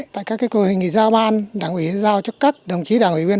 tại các cơ hội nghị giao ban đảng quỷ giao cho các đồng chí đảng quỷ viên